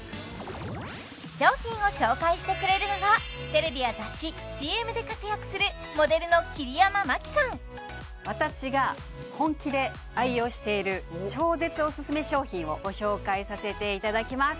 商品を紹介してくれるのはテレビや雑誌ＣＭで活躍する私が本気で愛用している超絶おすすめ商品をご紹介させていただきます